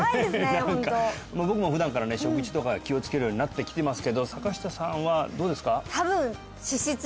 何か僕も普段からね食事とかは気をつけるようになってきてますけど坂下さんはどうですか？